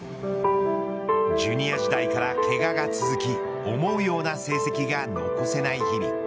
ジュニア時代からけがが続き思うような成績が残せない日々。